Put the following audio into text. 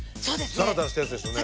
ザラザラしたやつですよね。